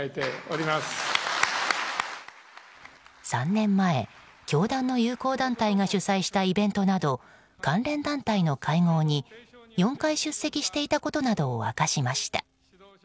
３年前、教団の友好団体が主催したイベントなど関連団体の会合に４回出席していたことなどを明かしました。